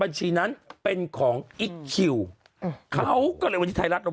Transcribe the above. บัญชีนั้นเป็นของอีคคิวเขาก็เลยวันที่ทายรัฐลง